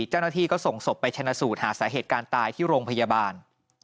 เจ้าหน้าที่ก็ส่งศพไปชนะสูตรหาสาเหตุการณ์ตายที่โรงพยาบาล